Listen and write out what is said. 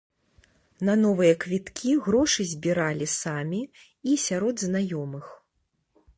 На новыя квіткі грошы збіралі самі і сярод знаёмых.